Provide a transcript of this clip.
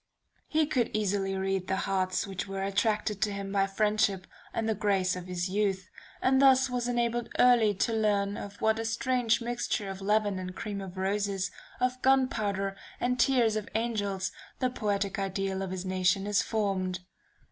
He could easily read the hearts which were attracted to him by friendship and the grace of his youth, and thus was enabled early to learn of what a strange mixture of leaven and cream of roses, of gunpowder and tears of angels, the poetic Ideal of his nation is formed.